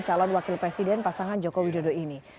calon wakil presiden pasangan joko widodo ini